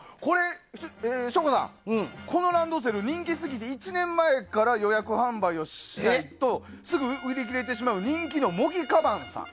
省吾さん、このランドセル人気すぎて１年前から予約販売をしないとすぐ売り切れてしまう人気のモギカバンさん。